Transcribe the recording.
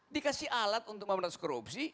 dikasih alat untuk memberantas korupsi